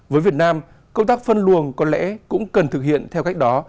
với việt nam công tác phân luồng có lẽ cũng cần thực hiện theo cách đó